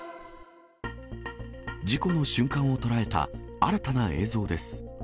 事故の瞬間を捉えた新たな映像です。